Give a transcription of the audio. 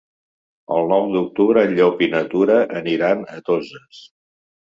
El nou d'octubre en Llop i na Tura aniran a Toses.